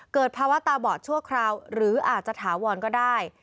เกิดภาวะตาบอดชั่วคราวหรืออาจจะถาวรก็ได้